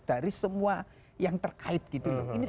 dari semua yang terkait gitu loh